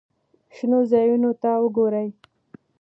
شنو ځایونو ته وګورئ.